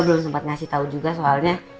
belum sempat ngasih tahu juga soalnya